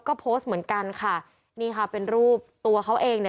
ก็โพสต์เหมือนกันค่ะนี่ค่ะเป็นรูปตัวเขาเองเนี่ย